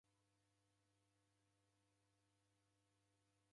O'horesha shwa wori